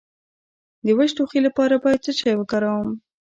د وچ ټوخي لپاره باید څه شی وکاروم؟